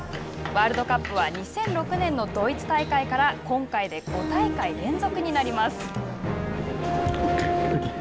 ワールドカップは２００６年のドイツ大会から今回で５大会連続になります。